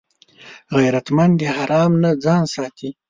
غیرتمند د حرام نه ځان ساتي